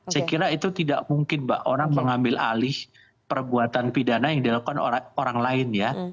saya kira itu tidak mungkin mbak orang mengambil alih perbuatan pidana yang dilakukan orang lain ya